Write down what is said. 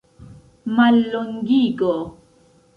mallongigo